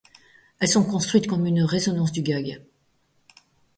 Elles sont construites comme une résonance du gag.